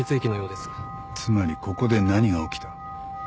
つまりここで何が起きた？